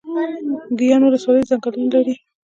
ګیان ولسوالۍ ځنګلونه لري؟